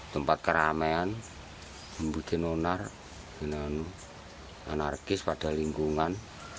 tempat keramaian membuat anarkis pada lingkungan